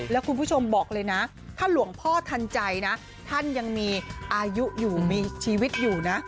แล้วคุณผู้ชมบอกเลยนะถ้าหลวงพ่อทันใจนะท่านยังมีอายุอยู่มีชีวิตอยู่นะ